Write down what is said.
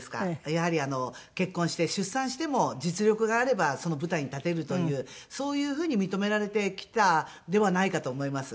やはり結婚して出産しても実力があればその舞台に立てるというそういう風に認められてきたのではないかと思います。